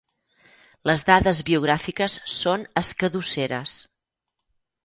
Les dades biogràfiques són escadusseres.